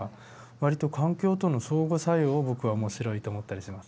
割と環境との相互作用を僕は面白いと思ったりします。